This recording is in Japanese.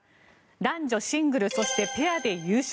男女シングルそしてペアで優勝。